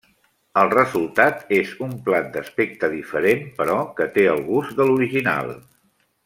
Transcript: El resultat és un plat d'aspecte diferent però que té el gust de l'original.